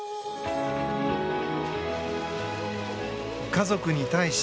家族に対し